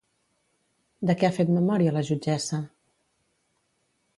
De què ha fet memòria la jutgessa?